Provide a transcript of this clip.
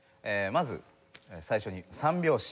まず最初に３拍子。